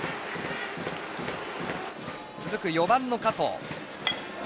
続く４番の加藤。